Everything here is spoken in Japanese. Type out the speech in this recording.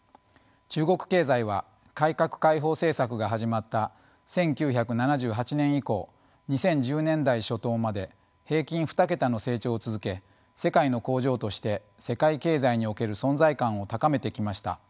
中国経済は改革開放政策が始まった１９７８年以降２０１０年代初頭まで平均２桁の成長を続け世界の工場として世界経済における存在感を高めてきました。